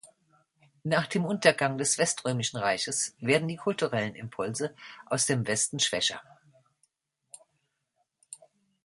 Nach dem Untergang des weströmischen Reiches werden die kulturellen Impulse aus dem Westen schwächer.